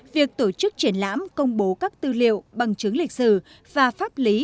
việc tổ chức triển lãm công bố các tư liệu bằng chứng lịch sử và pháp lý